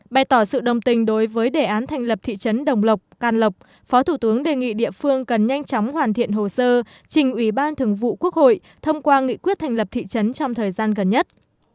bày tỏ sự đồng tình đối với đề án thành lập thị trấn đồng lộc can lộc phó thủ tướng đề nghị địa phương cần nhanh chóng hoàn thiện hồ sơ trình ủy ban thường vụ quốc hội thông qua nghị quyết thành lập thị trấn trong thời gian gần nhất